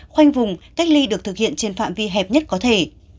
khoanh vùng cách ly được thực hiện trên phạm vi hẹp nhất có thể